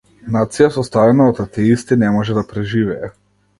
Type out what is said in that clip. Нација составена од атеисти не може да преживее.